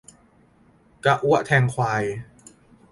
กระอั้วแทงควาย